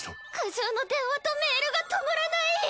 苦情の電話とメールが止まらない！